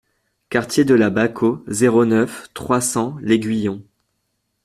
Quartier de la Baquo, zéro neuf, trois cents L'Aiguillon